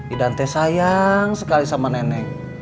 idan teh sayang sekali sama nenek